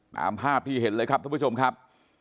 ตามภาพที่เห็นเลยครับทุกผู้ชมครับ